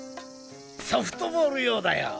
ソフトボール用だよ。